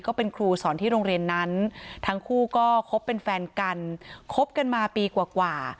ก็เป็นครูสอนที่โรงเรียนนั้นทั้งคู่ก็คบเป็นแฟนกันคบกันมาปีกว่า